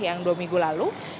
yang dua minggu lalu